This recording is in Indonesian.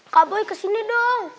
kak boy kesini dong